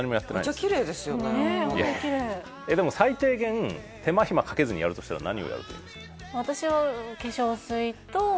お肌きれいでも最低限手間暇かけずにやるとしたら何をやるといいですか？